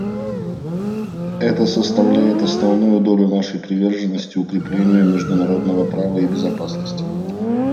Это составляет основную долю нашей приверженности укреплению международного права и безопасности.